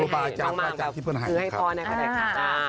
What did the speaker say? มากครับรู้สึกให้พ่อให้เข้าใจครับ